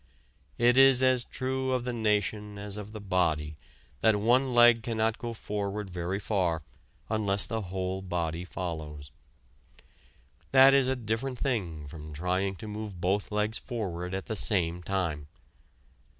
It is as true of the nation as of the body that one leg cannot go forward very far unless the whole body follows. That is a different thing from trying to move both legs forward at the same time.